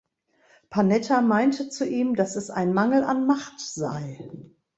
Panetta meinte zu ihm, dass es ein Mangel an Macht sei.